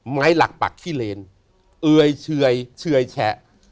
ไม้หลักปักขี้เลนเอ่ยเชื่อยเชื่อยแชะ